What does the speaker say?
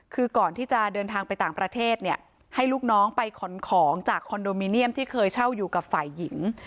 คือก่อนที่จะเดินทางไปต่างประเทศเนี่ยให้ลูกน้องไปขนของจากคอนโดมิเนียมที่เคยเช่าอยู่กับฝ่ายหญิง